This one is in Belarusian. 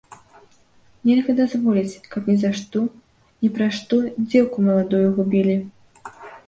Нельга дазволіць, каб ні за што ні пра што дзеўку маладую губілі.